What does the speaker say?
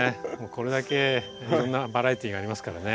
これだけいろんなバラエティーがありますからね。